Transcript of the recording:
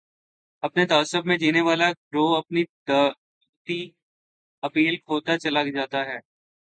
اپنے تعصب میں جینے والا گروہ اپنی دعوتی اپیل کھوتا چلا جاتا ہے۔